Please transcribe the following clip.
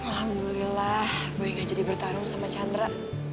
alhamdulillah gue gak jadi bertarung sama chandra